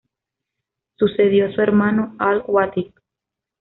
Sucedió a su hermano Al-Wáthiq.